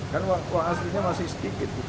kan uang aslinya masih sedikit